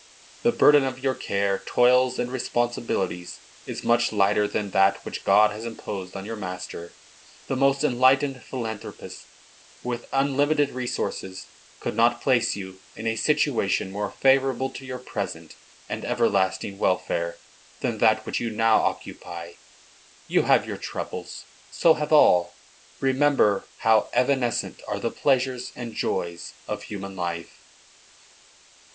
The burden of your care, toils and responsibilities, is much lighter than that which God has imposed on your master. The most enlightened philanthropists, with unlimited resources, could not place you in a situation more favorable to your present and everlasting welfare than that which you now occupy. You have your troubles. So have all. Remember how evanescent are the pleasures and joys of human life."